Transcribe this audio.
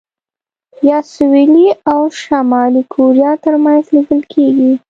یا سوېلي او شمالي کوریا ترمنځ لیدل کېږي.